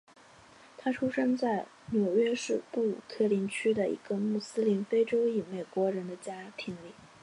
他出生在纽约市布鲁克林区的一个穆斯林非洲裔美国人的家庭里。